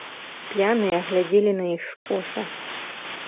П'яныя глядзелі на іх скоса.